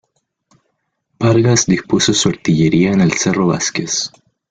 Vargas dispuso su artillería en el cerro Vásquez.